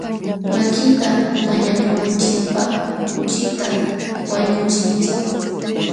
Makita mañakunachikpaq kuchitam wañuchinchik.